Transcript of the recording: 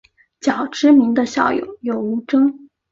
较知名的校友有吴峥。